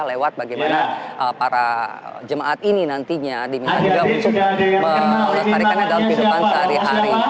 lewat bagaimana para jemaat ini nantinya diminta juga untuk melestarikannya dalam kehidupan sehari hari